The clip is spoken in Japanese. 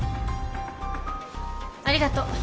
ありがとう。